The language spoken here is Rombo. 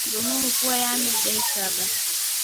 Lunu mfua yeidimekaba.